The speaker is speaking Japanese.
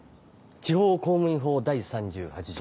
地方公務員法第３８条。